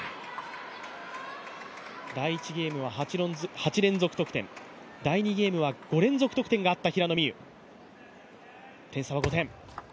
第１ゲームは８連続得点、第２ゲームは５連続得点があった平野美宇。